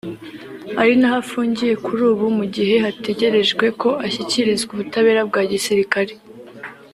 ari naho afungiye kuri ubu mu gihe hategerejwe ko ashyikirizwa ubutabera bwa gisirikare